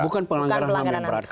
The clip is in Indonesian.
bukan pelanggaran ham berat